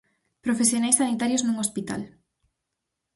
Profesionais sanitarios nun hospital.